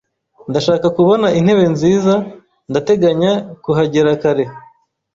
Ndashaka kubona intebe nziza, ndateganya kuhagera kare.